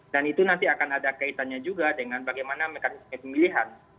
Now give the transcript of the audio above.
dan itu nanti akan ada kaitannya juga dengan bagaimana mekanisme pemilihan